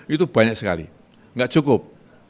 itu banyak sekali nggak cukup